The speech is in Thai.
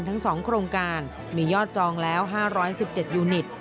ทั้ง๒โครงการมียอดจองแล้ว๕๑๗ยูนิต